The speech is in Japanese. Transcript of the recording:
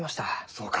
そうか。